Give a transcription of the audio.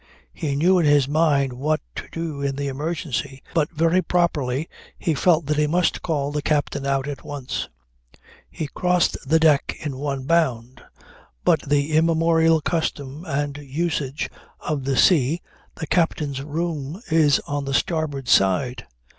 He knew in his mind what to do in the emergency, but very properly he felt that he must call the captain out at once. He crossed the deck in one bound. By the immemorial custom and usage of the sea the captain's room is on the starboard side.